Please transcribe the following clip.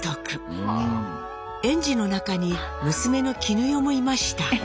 園児の中に娘の絹代もいました。